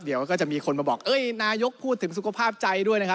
เดี๋ยวก็จะมีคนมาบอกเอ้ยนายกพูดถึงสุขภาพใจด้วยนะครับ